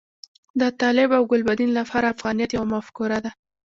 د طالب او ګلبدین لپاره افغانیت یوه مفکوره ده.